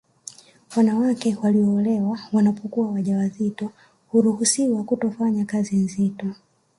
Wanawake walioolewa wanapokuwa waja wazito huruhusiwa kutofanya kazi nzito